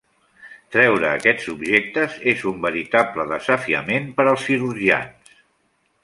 Treure aquests objectes és un veritable desafiament per als cirurgians.